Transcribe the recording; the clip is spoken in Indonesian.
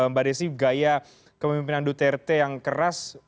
mbak desi gaya kepemimpinan duterte yang keras